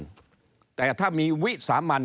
ก็จะมาจับทำเป็นพรบงบประมาณ